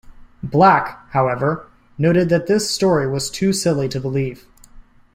Black, however, noted that this story was too silly to believe.